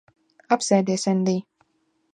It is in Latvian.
Apsēdies, Endij.